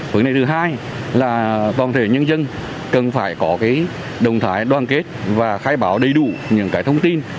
phương tiện thứ hai là toàn thể nhân dân cần phải có cái đồng thái đoàn kết và khai báo đầy đủ những cái thông tin